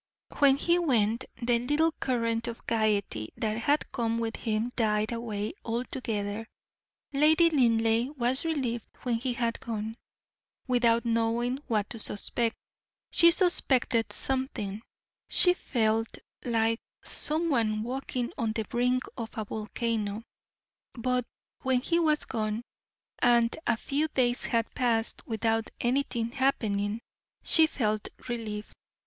When he went, the little current of gayety that had come with him died away all together. Lady Linleigh was relieved when he had gone; without knowing what to suspect, she suspected something; she felt like some one walking on the brink of a volcano; but when he was gone, and a few days had passed without anything happening, she felt relieved.